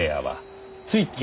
はい。